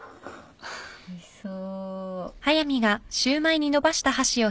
おいしそう。